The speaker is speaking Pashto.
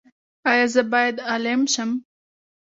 ایا زه باید عالم شم؟